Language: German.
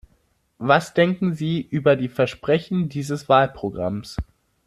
Was denken Sie über die Versprechen dieses Wahlprogramms?